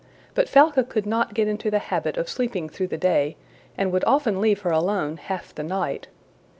But Falca could not get into the habit of sleeping through the day, and would often leave her alone half the night.